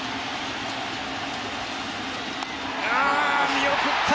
見送った！